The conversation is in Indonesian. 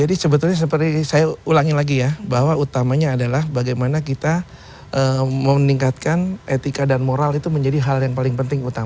jadi sebetulnya seperti saya ulangi lagi ya bahwa utamanya adalah bagaimana kita memeningkatkan etika dan moral itu menjadi hal yang penting